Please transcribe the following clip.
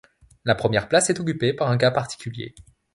La première place est occupée par un cas particulier.